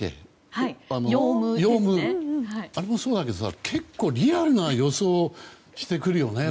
ヨウムもそうだけどさ結構、リアルな予想をしてくるよね。